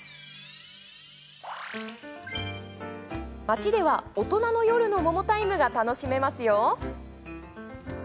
街では大人の夜の桃タイムが楽しめますよ。